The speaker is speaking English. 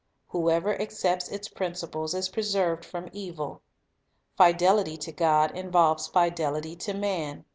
Whoever accepts its principles is preserved from evil. Fidelity to God involves fidelity to man.